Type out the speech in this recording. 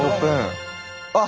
あっ。